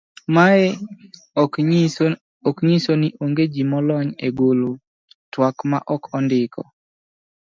mae ok onyiso ni ong'e ji molony e golo twak ma ok ondiko